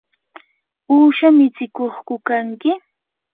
¿uusha mitsikuqku kanki?